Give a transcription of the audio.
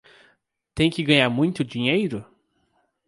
Tem que ganhar muito dinheiro?